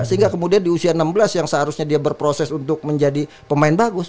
sehingga kemudian di usia enam belas yang seharusnya dia berproses untuk menjadi pemain bagus